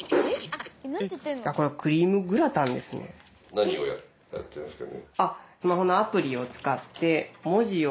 何をやってるんですか？